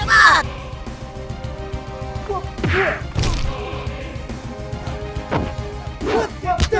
jangan kabur mujud